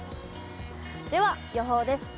では予報です。